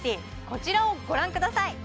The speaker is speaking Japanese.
こちらをご覧ください